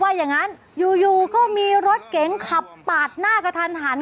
อย่างนั้นอยู่ก็มีรถเก๋งขับปาดหน้ากระทันหัน